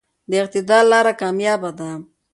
د اعتدال لاره کاميابه ده.